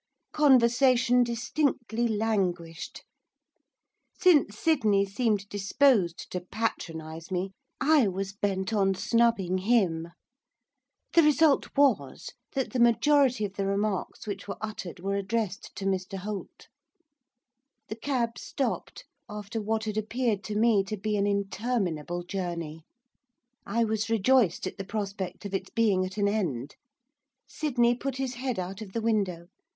Conversation distinctly languished. Since Sydney seemed disposed to patronise me, I was bent on snubbing him. The result was, that the majority of the remarks which were uttered were addressed to Mr Holt. The cab stopped, after what had appeared to me to be an interminable journey. I was rejoiced at the prospect of its being at an end. Sydney put his head out of the window.